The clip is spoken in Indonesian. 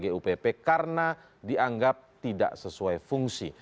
percepatan pembangunan atau tgupp karena dianggap tidak sesuai fungsi